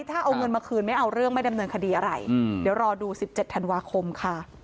ถ้าเอาเงินมาคืนไม่เอาเรื่องไม่ดำเนินคดีอะไรเดี๋ยวรอดู๑๗ธันวาคมค่ะ